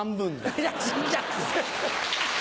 いや死んじゃう！